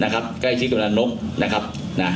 ใกล้คิดกับนักในการลง